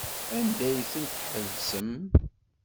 Anda ay tent-tḥebsem?